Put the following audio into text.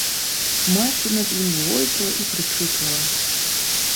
Маці над ім войкала і прычытвала.